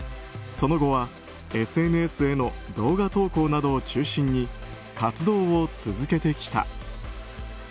その後はＳＮＳへの動画投稿などを中心に活動を続けてきた。